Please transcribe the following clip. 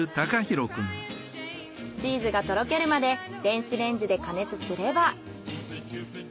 チーズがとろけるまで電子レンジで加熱すれば。